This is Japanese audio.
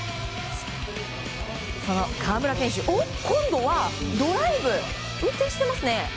その河村選手、今度はドライブ？運転してますね。